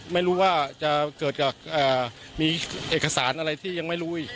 ไม่รู้ว่าจะเกิดกับมีเอกสารอะไรที่ยังไม่รู้อีก